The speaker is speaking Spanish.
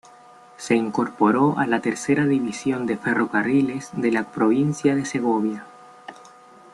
Se incorporó a la Tercera División de Ferrocarriles de la provincia de Segovia.